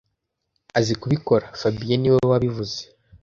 a azi kubikora fabien niwe wabivuze